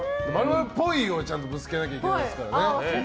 ○○っぽいをぶつけないといけないですからね。